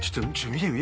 見てみ？